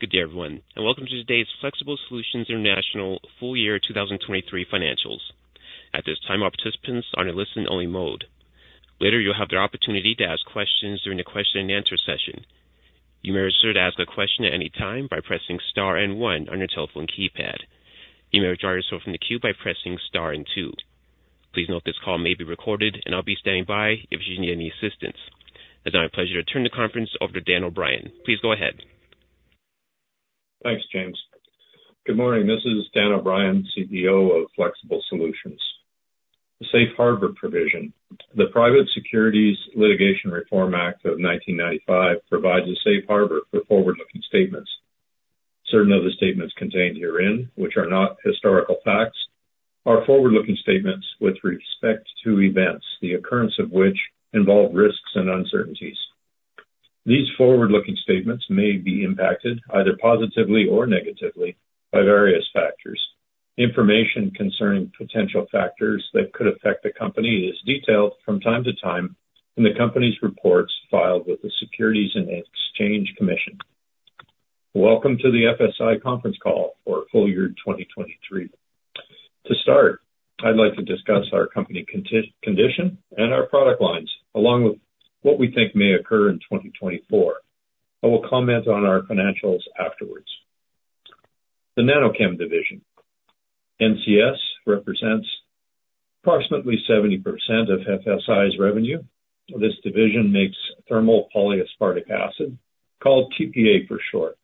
Good day, everyone, and welcome to today's Flexible Solutions International Full Year 2023 Financials. At this time, all participants are in a listen-only mode. Later, you'll have the opportunity to ask questions during the question and answer session. You may reserve to ask a question at any time by pressing star and one on your telephone keypad. You may withdraw yourself from the queue by pressing star and two. Please note, this call may be recorded, and I'll be standing by if you should need any assistance. It's now my pleasure to turn the conference over to Dan O'Brien. Please go ahead. Thanks, James. Good morning, this is Dan O'Brien, CEO of Flexible Solutions. The Safe Harbor Provision the Private Securities Litigation Reform Act of 1995 provides a safe harbor for forward-looking statements. Certain of the statements contained herein, which are not historical facts, are forward-looking statements with respect to events, the occurrence of which involve risks and uncertainties. These forward-looking statements may be impacted, either positively or negatively, by various factors. Information concerning potential factors that could affect the company is detailed from time to time in the company's reports filed with the Securities and Exchange Commission. Welcome to the FSI conference call for full year 2023. To start, I'd like to discuss our company's condition and our product lines, along with what we think may occur in 2024. I will comment on our financials afterwards. The NanoChem division, NCS represents approximately 70% of FSI's revenue. This division makes thermal polyaspartic acid, called TPA for short,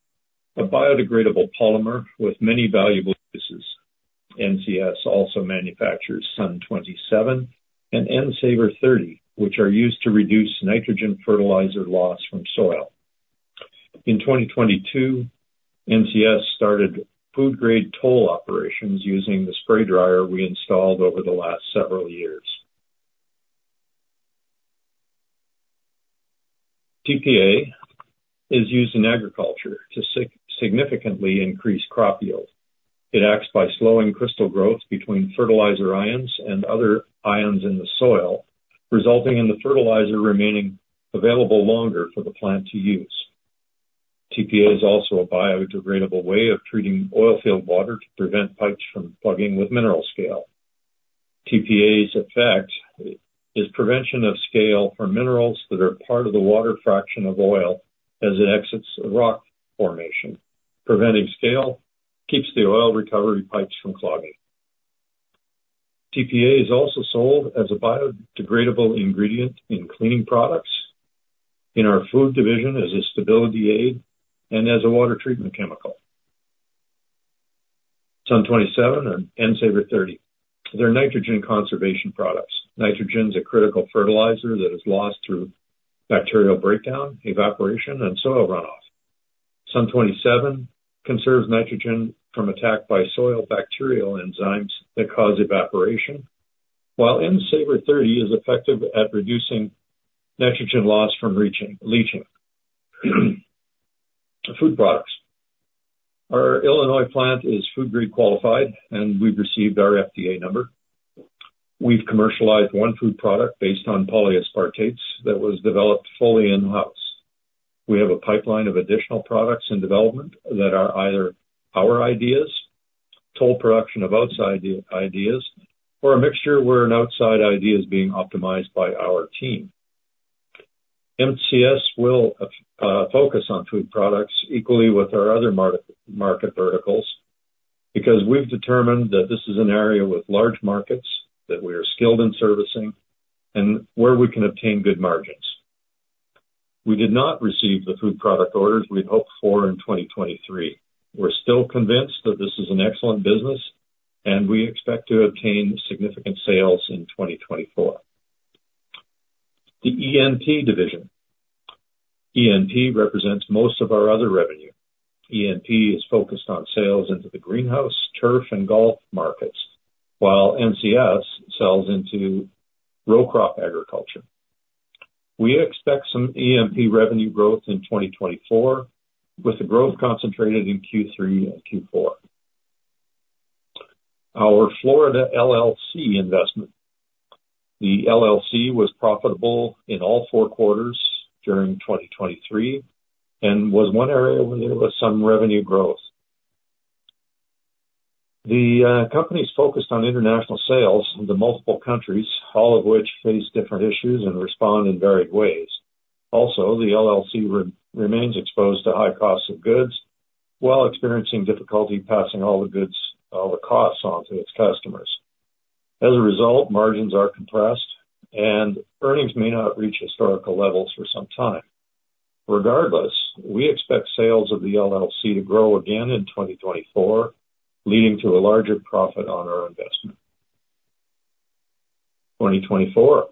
a biodegradable polymer with many valuable uses. NCS also manufactures SUN 27 and N-SavR 30, which are used to reduce nitrogen fertilizer loss from soil. In 2022, NCS started food-grade toll operations using the spray dryer we installed over the last several years. TPA is used in agriculture to significantly increase crop yield. It acts by slowing crystal growth between fertilizer ions and other ions in the soil, resulting in the fertilizer remaining available longer for the plant to use. TPA is also a biodegradable way of treating oil field water to prevent pipes from plugging with mineral scale. TPA's effect is prevention of scale or minerals that are part of the water fraction of oil as it exits a rock formation. Preventing scale keeps the oil recovery pipes from clogging. TPA is also sold as a biodegradable ingredient in cleaning products, in our food division as a stability aid, and as a water treatment chemical. SUN 27 and N-SavR 30. They're nitrogen conservation products. Nitrogen is a critical fertilizer that is lost through bacterial breakdown, evaporation, and soil runoff. SUN 27 conserves nitrogen from attack by soil bacterial enzymes that cause evaporation, while N-SavR 30 is effective at reducing nitrogen loss from leaching, food products. Our Illinois plant is food grade qualified, and we've received our FDA number. We've commercialized one food product based on polyaspartates that was developed fully in-house. We have a pipeline of additional products in development that are either our ideas, toll production of outside ideas, or a mixture where an outside idea is being optimized by our team. NCS will focus on food products equally with our other market verticals, because we've determined that this is an area with large markets, that we are skilled in servicing, and where we can obtain good margins. We did not receive the food product orders we'd hoped for in 2023. We're still convinced that this is an excellent business, and we expect to obtain significant sales in 2024. The ENP division. ENP represents most of our other revenue. ENP is focused on sales into the greenhouse, turf, and golf markets, while NCS sells into row crop agriculture. We expect some ENP revenue growth in 2024, with the growth concentrated in Q3 and Q4. Our Florida LLC investment. The LLC was profitable in all four quarters during 2023, and was one area where there was some revenue growth. The company's focused on international sales into multiple countries, all of which face different issues and respond in varied ways. Also, the LLC remains exposed to high costs of goods while experiencing difficulty passing all the goods, all the costs on to its customers. As a result, margins are compressed and earnings may not reach historical levels for some time. Regardless, we expect sales of the LLC to grow again in 2024, leading to a larger profit on our investment. 2024.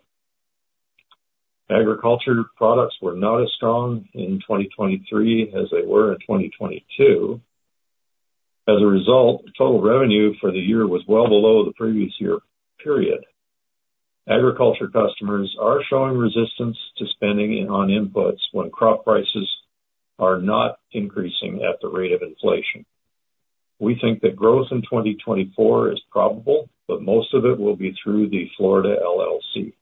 Agriculture products were not as strong in 2023 as they were in 2022. As a result, total revenue for the year was well below the previous year period. Agriculture customers are showing resistance to spending on inputs when crop prices are not increasing at the rate of inflation. We think that growth in 2024 is probable, but most of it will be through the Florida LLC.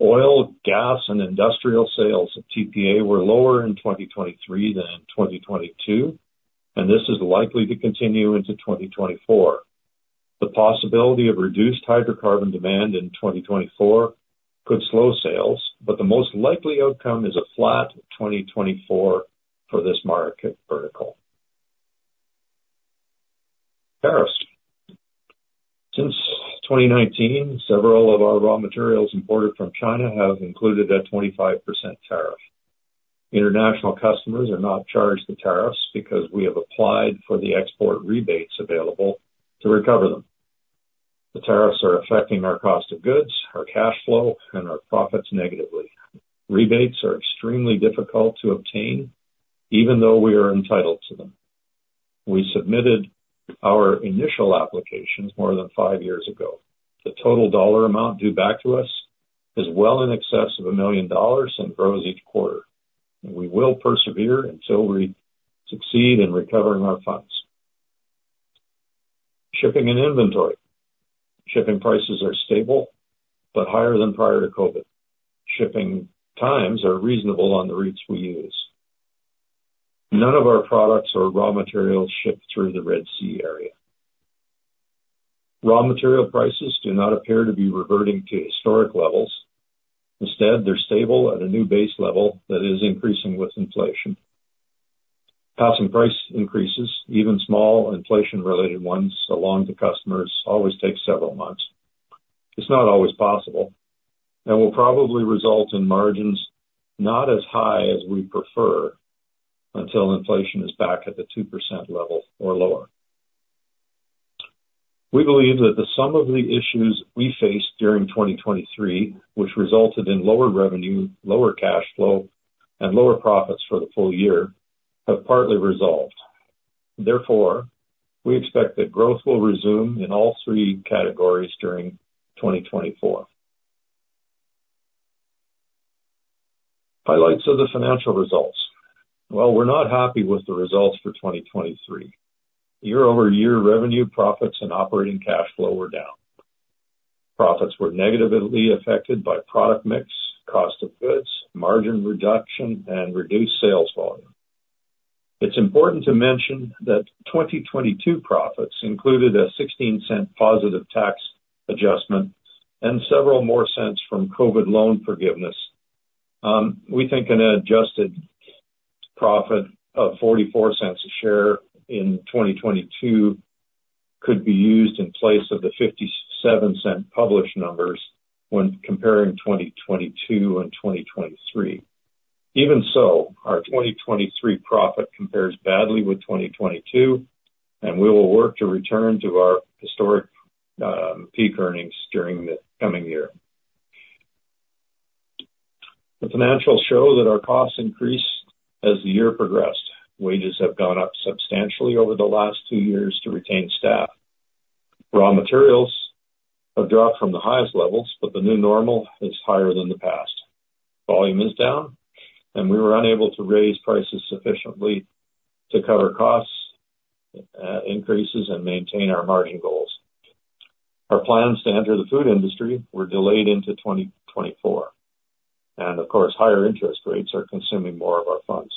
Oil, gas, and industrial sales at TPA were lower in 2023 than in 2022, and this is likely to continue into 2024. The possibility of reduced hydrocarbon demand in 2024 could slow sales, but the most likely outcome is a flat 2024 for this market vertical. Tariffs since 2019, several of our raw materials imported from China have included a 25% tariff. International customers are not charged the tariffs because we have applied for the export rebates available to recover them. The tariffs are affecting our cost of goods, our cash flow, and our profits negatively. Rebates are extremely difficult to obtain, even though we are entitled to them. We submitted our initial applications more than five years ago. The total dollar amount due back to us is well in excess of $1 million and grows each quarter, and we will persevere until we succeed in recovering our funds. Shipping and inventory; Shipping prices are stable but higher than prior to COVID. Shipping times are reasonable on the routes we use. None of our products or raw materials ship through the Red Sea area. Raw material prices do not appear to be reverting to historic levels. Instead, they're stable at a new base level that is increasing with inflation. Passing price increases, even small inflation-related ones, along to customers always takes several months. It's not always possible and will probably result in margins not as high as we prefer until inflation is back at the 2% level or lower. We believe that the sum of the issues we faced during 2023, which resulted in lower revenue, lower cash flow, and lower profits for the full year, have partly resolved. Therefore, we expect that growth will resume in all three categories during 2024. Highlights of the financial results. While we're not happy with the results for 2023, year-over-year revenue, profits, and operating cash flow were down. Profits were negatively affected by product mix, cost of goods, margin reduction, and reduced sales volume. It's important to mention that 2022 profits included a $0.16 positive tax adjustment and several more cents from COVID loan forgiveness. We think an adjusted profit of $0.44 per share in 2022 could be used in place of the $0.57 published numbers when comparing 2022 and 2023. Even so, our 2023 profit compares badly with 2022, and we will work to return to our historic peak earnings during the coming year. The financials show that our costs increased as the year progressed. Wages have gone up substantially over the last two years to retain staff. Raw materials have dropped from the highest levels, but the new normal is higher than the past. Volume is down, and we were unable to raise prices sufficiently to cover costs increases, and maintain our margin goals. Our plans to enter the food industry were delayed into 2024, and of course, higher interest rates are consuming more of our funds.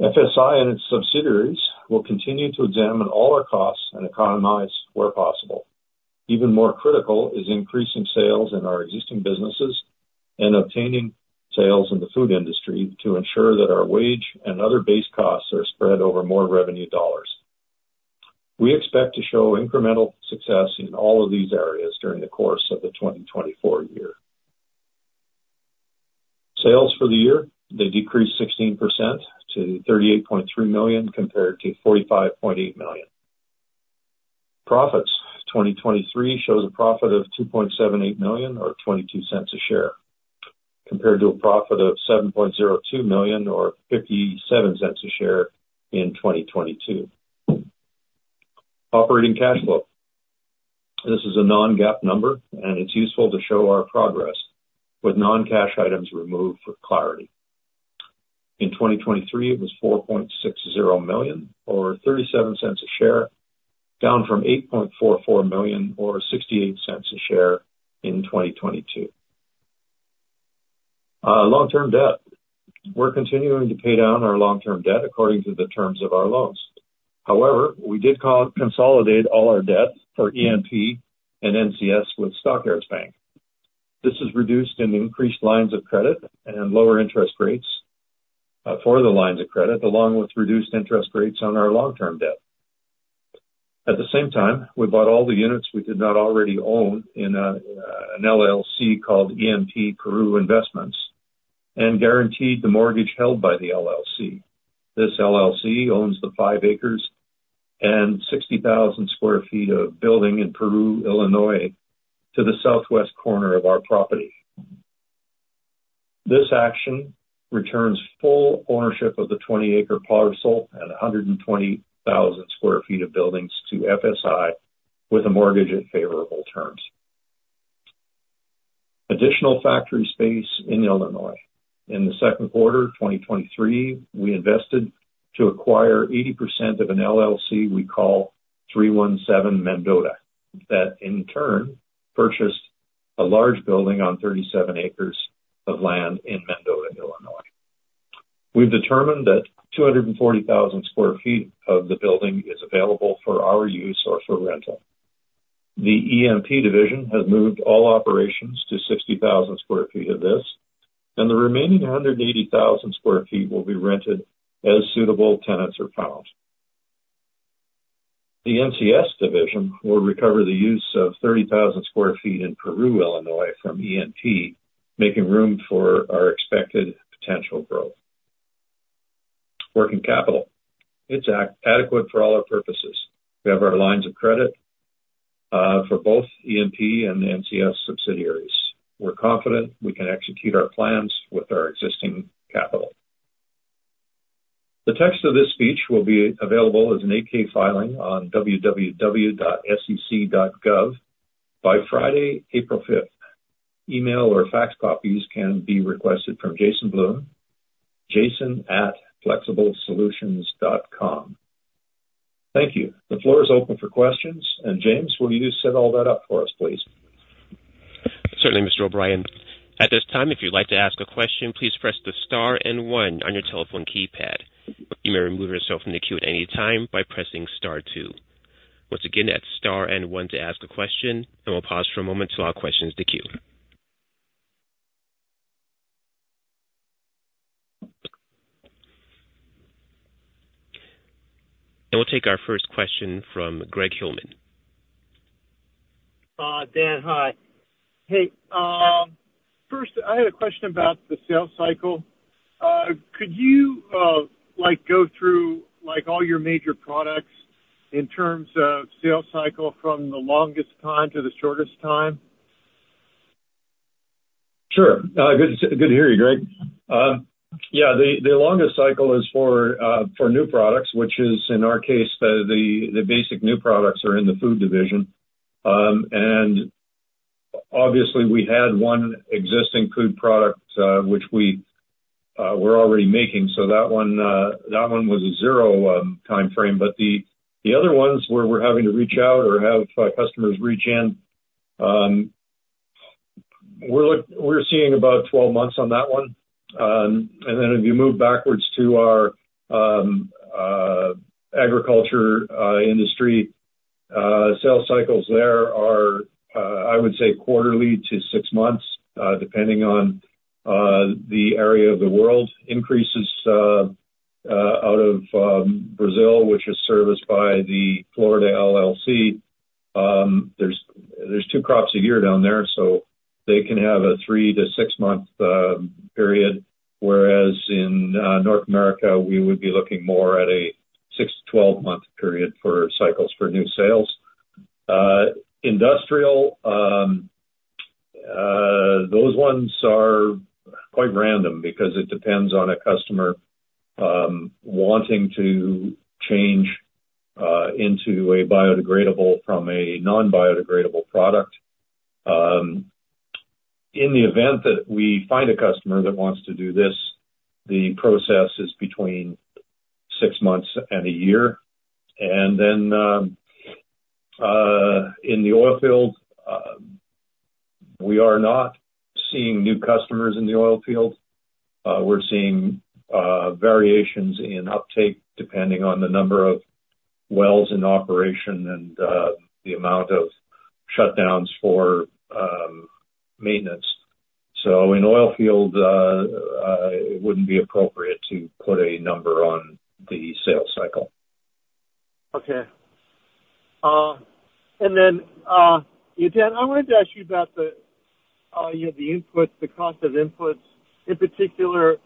FSI and its subsidiaries will continue to examine all our costs and economize where possible. Even more critical is increasing sales in our existing businesses and obtaining sales in the food industry to ensure that our wage and other base costs are spread over more revenue dollars. We expect to show incremental success in all of these areas during the course of the 2024 year. Sales for the year, they decreased 16% to $38.3 million, compared to $45.8 million. Profits, 2023 shows a profit of $2.78 million or $0.22 a share, compared to a profit of $7.02 million or $0.57 a share in 2022. Operating cash flow, this is a non-GAAP number, and it's useful to show our progress with non-cash items removed for clarity. In 2023, it was $4.60 million or $0.37 a share, down from $8.44 million or $0.68 a share in 2022. Long-term debt. We're continuing to pay down our long-term debt according to the terms of our loans. However, we did consolidate all our debt for ENP and NCS with Stock Yards Bank. This is reduced in the increased lines of credit and lower interest rates, for the lines of credit, along with reduced interest rates on our long-term debt. At the same time, we bought all the units we did not already own in an LLC called ENP Peru Investments, and guaranteed the mortgage held by the LLC. This LLC owns the 5 acres and 60,000 sq ft of building in Peru, Illinois, to the southwest corner of our property. This action returns full ownership of the 20-acre parcel and 120,000 sq ft of buildings to FSI, with a mortgage at favorable terms. Additional factory space in Illinois. In the second quarter of 2023, we invested to acquire 80% of an LLC we call 317 Mendota, that in turn purchased a large building on 37 acres of land in Mendota, Illinois. We've determined that 240,000 sq ft of the building is available for our use or for rental. The ENP division has moved all operations to 60,000 sq ft of this, and the remaining 180,000 sq ft will be rented as suitable tenants are found. The NCS division will recover the use of 30,000 sq ft in Peru, Illinois, from ENP, making room for our expected potential growth. Working capital. It's adequate for all our purposes. We have our lines of credit for both ENP and the NCS subsidiaries. We're confident we can execute our plans with our existing capital. The text of this speech will be available as an 8-K filing on www.sec.gov by Friday, April fifth. Email or fax copies can be requested from Jason Bloom, jason@flexiblesolutions.com. Thank you. The floor is open for questions, and James, will you set all that up for us, please? Certainly, Mr. O'Brien. At this time, if you'd like to ask a question, please press the star and one on your telephone keypad. You may remove yourself from the queue at any time by pressing star two. Once again, that's star and one to ask a question, and we'll pause for a moment to allow questions to queue. We'll take our first question from Greg Hillman. Dan, hi. Hey, first, I had a question about the sales cycle. Could you, like, go through, like, all your major products in terms of sales cycle from the longest time to the shortest time? Sure. Good to hear you, Greg. Yeah, the longest cycle is for new products, which is, in our case, the basic new products are in the food division. And obviously, we had one existing food product, which we were already making, so that one, that one was a zero time frame. But the other ones, where we're having to reach out or have customers reach in, we're seeing about 12 months on that one. And then if you move backwards to our agriculture industry, sales cycles there are, I would say quarterly to six months, depending on the area of the world. Increases out of Brazil, which is serviced by the Florida LLC. There's two crops a year down there, so they can have a three to six month period. Whereas in North America, we would be looking more at a six to 12-month period for cycles for new sales. Industrial, those ones are quite random because it depends on a customer wanting to change into a biodegradable from a non-biodegradable product. In the event that we find a customer that wants to do this, the process is between six months and a year. And then in the oil field, we are not seeing new customers in the oil field. We're seeing variations in uptake depending on the number of wells in operation and the amount of shutdowns for maintenance. In oil field, it wouldn't be appropriate to put a number on the sales cycle. Okay. And then, Dan, I wanted to ask you about the, you know, the input, the cost of inputs. In particular,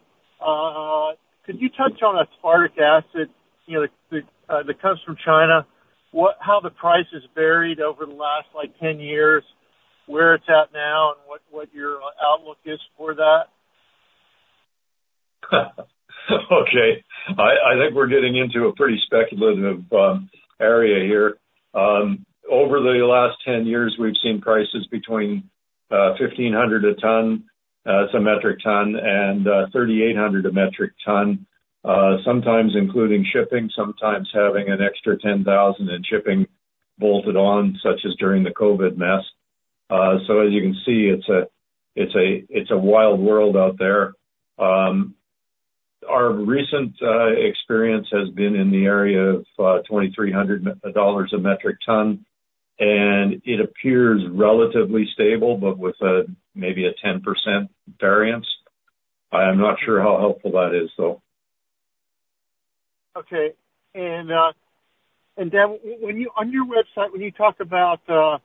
could you touch on aspartic acid, you know, the, that comes from China? What-- How the price has varied over the last, like, 10 years, where it's at now, and what, what your outlook is for that? Okay. I, I think we're getting into a pretty speculative area here. Over the last 10 years, we've seen prices between $1,500 a ton—it's a metric ton—and $3,800 a metric ton, sometimes including shipping, sometimes having an extra $10,000 in shipping bolted on, such as during the COVID mess. So as you can see, it's a wild world out there. Our recent experience has been in the area of $2,300 dollars a metric ton, and it appears relatively stable, but with maybe a 10% variance. I am not sure how helpful that is, though. Okay. And, Dan, when you—on your website, when you talk about, for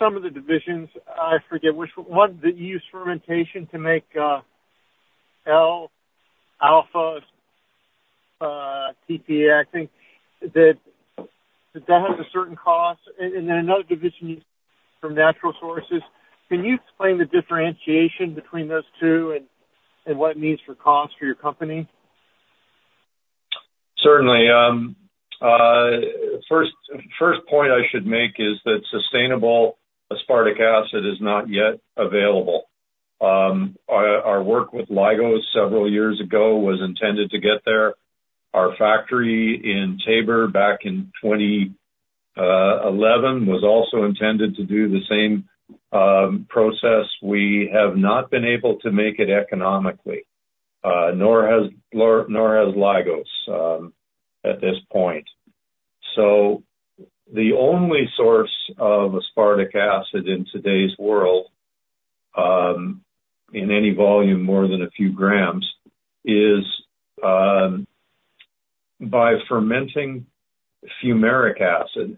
some of the divisions, I forget which one, that you use fermentation to make, L-aspartic, TPA, I think, that, that has a certain cost, and then another division from natural sources. Can you explain the differentiation between those two and what it means for cost for your company? ...Certainly. First point I should make is that sustainable aspartic acid is not yet available. Our work with Lygos several years ago was intended to get there. Our factory in Taber back in 2011 was also intended to do the same process. We have not been able to make it economically, nor has Lygos, at this point. So the only source of aspartic acid in today's world, in any volume more than a few grams, is by fermenting fumaric acid.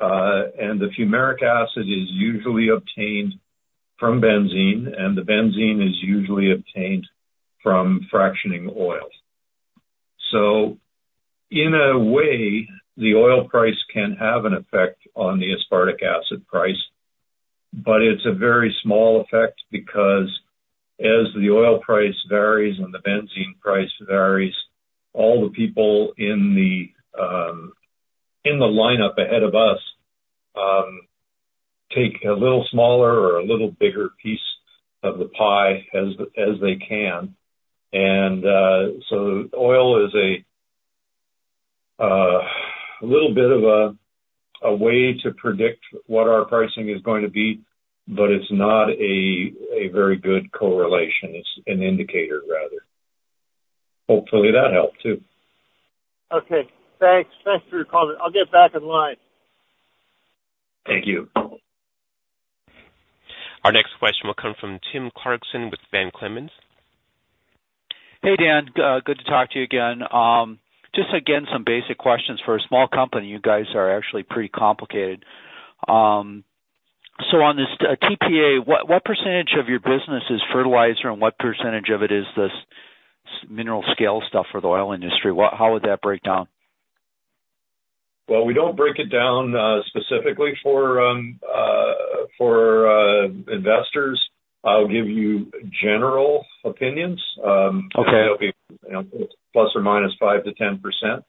And the fumaric acid is usually obtained from benzene, and the benzene is usually obtained from fractionating oil. So in a way, the oil price can have an effect on the aspartic acid price, but it's a very small effect because as the oil price varies and the benzene price varies, all the people in the lineup ahead of us take a little smaller or a little bigger piece of the pie as they can. So oil is a little bit of a way to predict what our pricing is going to be, but it's not a very good correlation. It's an indicator, rather. Hopefully, that helped, too. Okay, thanks. Thanks for your comment. I'll get back in line. Thank you. Our next question will come from Tim Clarkson with Van Clemens. Hey, Dan, good to talk to you again. Just again, some basic questions. For a small company, you guys are actually pretty complicated. So on this, TPA, what, what percentage of your business is fertilizer, and what percentage of it is this mineral scale stuff for the oil industry? How would that break down? Well, we don't break it down specifically for investors. I'll give you general opinions. Okay. That'll be, you know, ±5%-10%.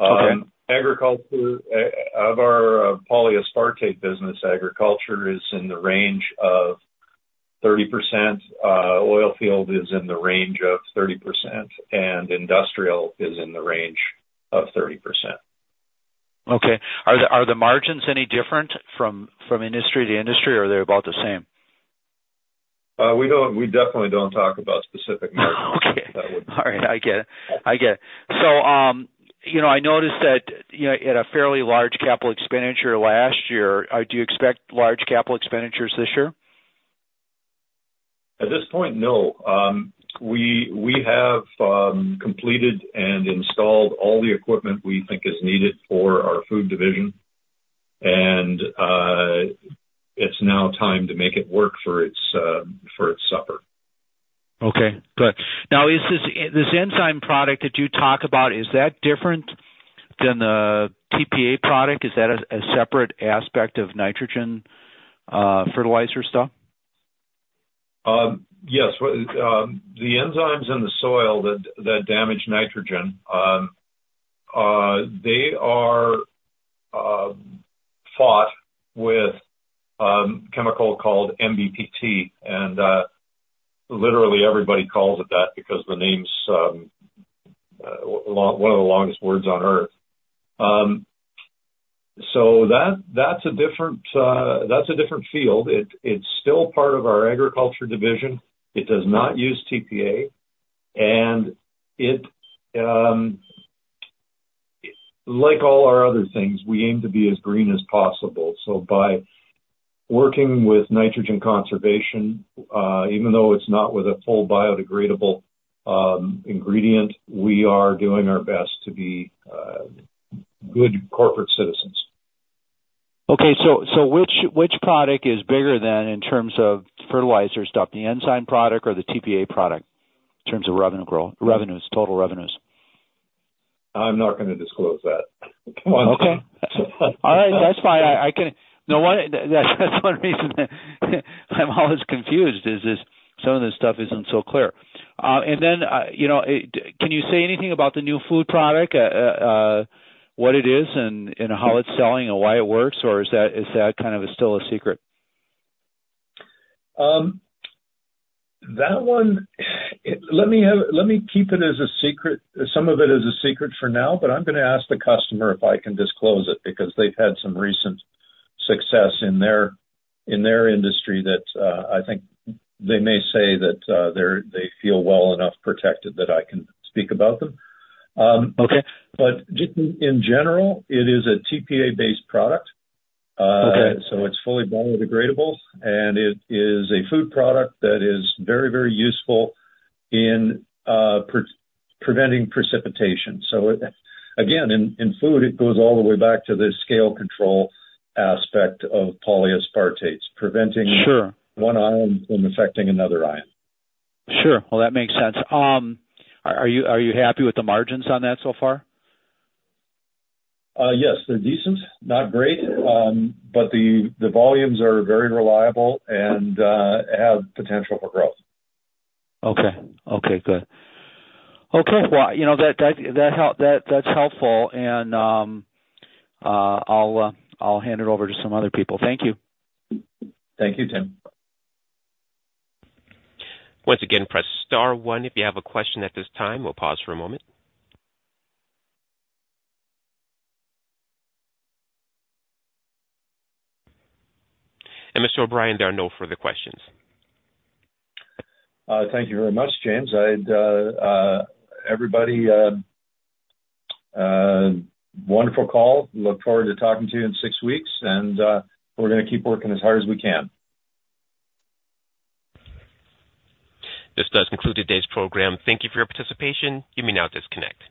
Okay. Agriculture, of our polyaspartate business, agriculture is in the range of 30%, oil field is in the range of 30%, and industrial is in the range of 30%. Okay. Are the margins any different from industry to industry, or are they about the same? We don't, we definitely don't talk about specific margins. Okay. All right, I get it. I get it. So, you know, I noticed that, you know, you had a fairly large capital expenditure last year. Do you expect large capital expenditures this year? At this point, no. We have completed and installed all the equipment we think is needed for our food division, and it's now time to make it work for its supper. Okay, good. Now, is this, this enzyme product that you talk about, is that different than the TPA product? Is that a separate aspect of nitrogen, fertilizer stuff? Yes. Well, the enzymes in the soil that damage nitrogen, they are fought with a chemical called NBPT, and literally everybody calls it that because the name's one of the longest words on earth. So that's a different field. It's still part of our agriculture division. It does not use TPA, and like all our other things, we aim to be as green as possible. So by working with nitrogen conservation, even though it's not with a full biodegradable ingredient, we are doing our best to be good corporate citizens. Okay, so which product is bigger than in terms of fertilizer stuff, the enzyme product or the TPA product, in terms of revenues, total revenues? I'm not gonna disclose that. Okay. All right, that's fine. That's one reason I'm always confused, is some of this stuff isn't so clear. And then, you know, can you say anything about the new food product, what it is and how it's selling and why it works, or is that kind of still a secret? That one, let me have, let me keep it as a secret, some of it as a secret for now, but I'm gonna ask the customer if I can disclose it, because they've had some recent success in their, in their industry that, I think they may say that, they're, they feel well enough protected that I can speak about them. Okay. But just in general, it is a TPA-based product. Okay. So it's fully biodegradable, and it is a food product that is very, very useful in preventing precipitation. So it, again, in food, it goes all the way back to the scale control aspect of polyaspartates, preventing- Sure... one ion from affecting another ion. Sure. Well, that makes sense. Are you happy with the margins on that so far? Yes, they're decent, not great. But the volumes are very reliable and have potential for growth. Okay. Okay, good. Okay, well, you know, that's helpful, and I'll hand it over to some other people. Thank you. Thank you, Tim. Once again, press star one if you have a question at this time. We'll pause for a moment. Mr. O’Brien, there are no further questions. Thank you very much, James. I'd everybody wonderful call. Look forward to talking to you in six weeks, and we're gonna keep working as hard as we can. This does conclude today's program. Thank you for your participation. You may now disconnect.